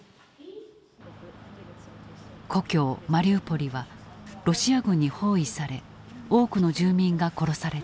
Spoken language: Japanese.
故郷マリウポリはロシア軍に包囲され多くの住民が殺された。